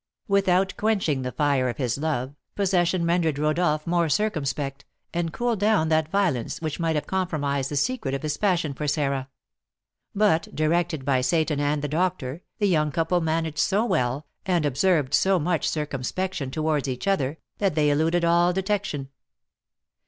Without quenching the fire of his love, possession rendered Rodolph more circumspect, and cooled down that violence which might have compromised the secret of his passion for Sarah; but, directed by Seyton and the doctor, the young couple managed so well, and observed so much circumspection towards each other, that they eluded all detection.